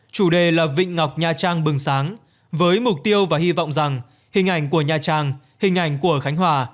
chủ đề là vịnh ngọc nha trang bừng sáng với mục tiêu và hy vọng rằng hình ảnh của nha trang hình ảnh của khánh hòa